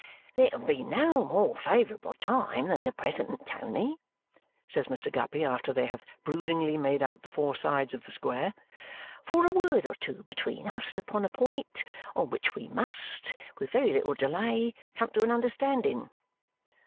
"There can be no more favourable time than the present, Tony," says Mr. Guppy after they have broodingly made out the four sides of the square, "for a word or two between us upon a point on which we must, with very little delay, come to an understanding."